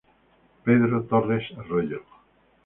Pedro Torres Arroyo.